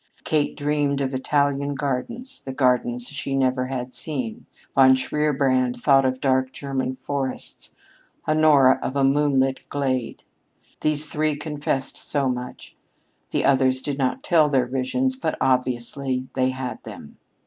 Kate dreamed of Italian gardens the gardens she never had seen; Von Shierbrand thought of dark German forests; Honora, of a moonlit glade. These three confessed so much. The others did not tell their visions, but obviously they had them.